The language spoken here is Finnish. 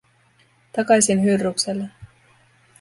Takaisin Hydrukselle